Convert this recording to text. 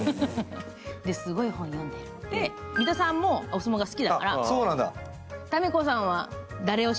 すごい本読んでるって言って、三田さんもお相撲が好きだから。